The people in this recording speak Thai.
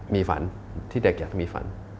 มีฝันที่เด็กอยากจะมีฝัน